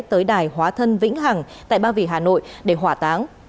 tới đài hóa thân vĩnh hằng tại ba vì hà nội để hỏa táng